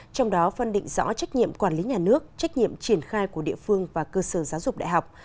trong đó phân định rõ trách nhiệm quản lý nhà nước trách nhiệm triển khai của địa phương và cơ sở giáo dục đại học